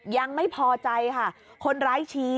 ยังไม่พอใจค่ะคนร้ายชี้